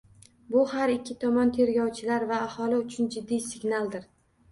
Bu har ikki tomon – tergovchilar va aholi uchun jiddiy signaldir.